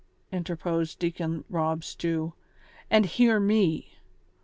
interposed Deacon liob Stew, "and hear me.